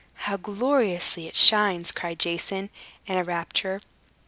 "How gloriously it shines!" cried Jason, in a rapture.